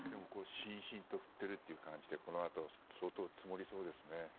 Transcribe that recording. しんしんと降っているという感じでこのあと相当積もりそうですね。